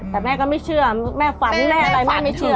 แต่แม่ก็ไม่เชื่อแม่ฝันแม่อะไรแม่ไม่เชื่อ